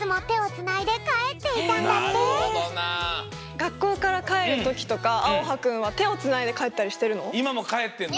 がっこうからかえるときとかあおはくんはてをつないでかえったりしてるの？